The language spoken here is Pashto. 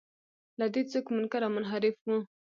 له دې څوک منکر او منحرف و.